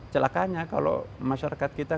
celakanya kalau masyarakat kita